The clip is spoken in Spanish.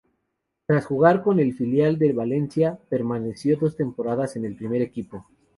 Tras jugar con el filial del Valencia, permaneció dos temporadas en el primer equipo.